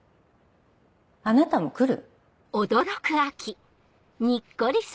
あなたも来る？